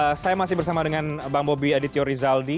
ya saya masih bersama dengan bang bobi aditya rizaldi